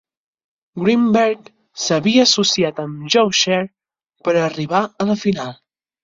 Greenberg s'havia associat amb Joe Scherr per arribar a la final.